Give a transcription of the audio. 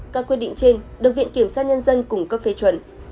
các quyết định trên được viện kiểm sát nhân dân cung cấp phê chuẩn